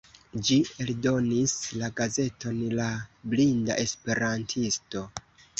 Ĝi eldonis la gazeton "La Blinda Esperantisto".